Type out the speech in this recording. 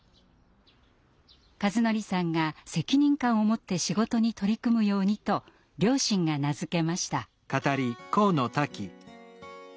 一法さんが責任感を持って仕事に取り組むようにと両親が名付けました。